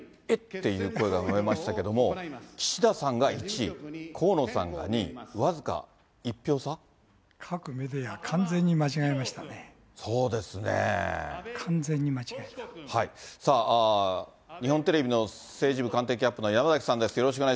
て声が上がりましたけれども、岸田さんが１位、各メディア、そうですね。さあ、日本テレビの政治部官邸キャップの山崎さんです。